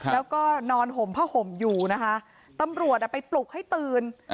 แล้วก็นอนห่มผ้าห่มอยู่นะคะตำรวจไปปลุกให้ตื่น